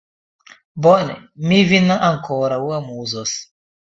Bone, mi vin ankoraŭ amuzos!